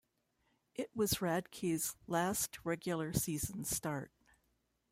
It was Radke's last regular season start.